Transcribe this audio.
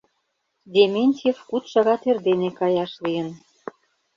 Дементьев куд шагат эрдене каяш лийын.